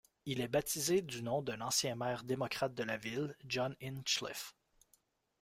Il est baptisé du nom d'un ancien maire démocrate de la ville, John Hinchliffe.